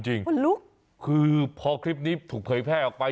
คนลุกคือพอคลิปนี้ถูกเผยแพร่ออกไป